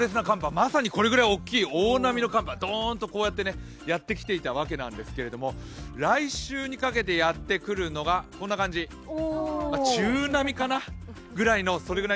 まさにこれぐらい大きい大波の寒波が、ドンとこうやってやってきていたわけなんですけれども、来週にかけてやってくるのが、こんな感じ、中波かな？ぐらいの、それぐらい。